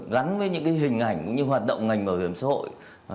gắn với những hình ảnh cũng như hoạt động ngành bảo hiểm xã hội